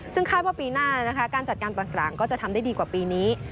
ซึ่งค่ายพอปีหน้าการจัดการกลางก็จะทำได้ดีกว่าปีนี้